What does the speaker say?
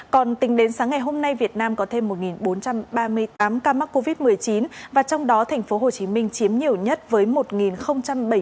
còn tính đến sáng ngày hôm nay việt nam có thêm một bốn trăm ba mươi tám ca mắc covid một mươi chín và trong đó tp hcm chiếm nhiều nhất với một bảy mươi ca